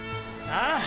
ああ！！